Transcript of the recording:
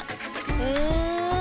うん。